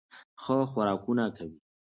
ښه خوراکونه کوي